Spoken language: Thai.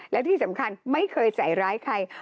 และที่สำคัญไม่เคยใส่ร้ายใคร